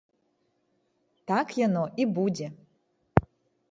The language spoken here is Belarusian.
Так яно і будзе.